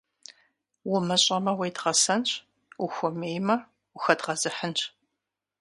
Умыщӏэмэ – уедгъэсэнщ, ухуэмеймэ - ухэдгъэзыхьынщ.